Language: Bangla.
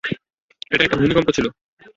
এটা একটা ভূমিকম্প ছিল!